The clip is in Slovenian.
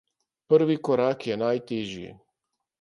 Prvi korak je najtežji.